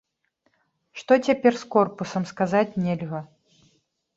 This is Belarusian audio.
Што цяпер з корпусам, сказаць нельга.